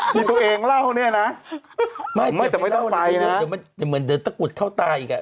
ทีตัวเองเล่าเนี่ยนะไม่แต่ไม่ต้องไปนะมันจะเหมือนเดินตะกรุดเข้าตายอีกอะ